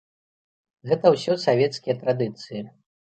Гэта ўсё савецкія традыцыі.